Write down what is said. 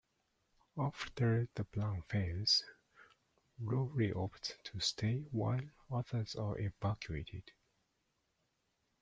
After the plan fails, Lowery opts to stay while others are evacuated.